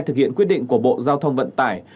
thực hiện quyết định của bộ giao thông vận tải